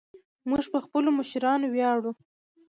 موږ په خپلو مشرانو ویاړو